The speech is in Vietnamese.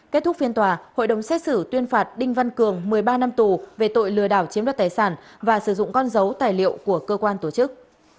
kết thúc phiên tòa hội đồng xét xử tuyên phạt đinh văn cường một mươi ba năm tù về tội lừa đảo chiếm đoạt tài sản và sử dụng con dấu tài liệu của cơ quan tổ chức